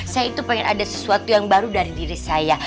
saya itu pengen ada sesuatu yang baru dari diri saya